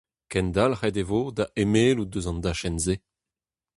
Kendalc'het e vo da emellout eus an dachenn-se.